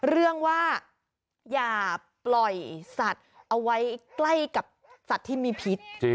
เรื่องว่าอย่าปล่อยสัตว์เอาไว้ใกล้กับสัตว์ที่มีพิษ